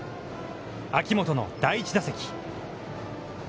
秋元の第１打席。